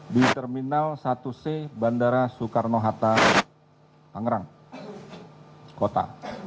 di terminal satu c bandara soekarno hatta tangerang kota